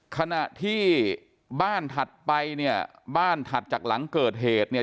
ขณะที่บ้านถัดไปเนี่ยบ้านถัดจากหลังเกิดเหตุเนี่ย